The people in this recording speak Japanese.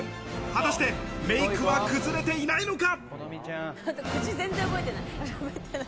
果たしてメイクは崩れていないのか？